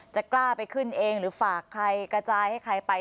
กล้าไปขึ้นเองหรือฝากใครกระจายให้ใครไป